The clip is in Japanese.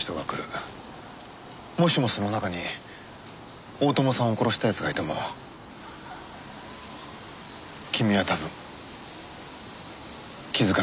もしもその中に大友さんを殺した奴がいても君は多分気づかないだろう？